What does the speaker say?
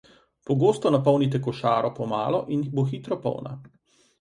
Pogosto napolnite košaro po malo in bo hitro polna.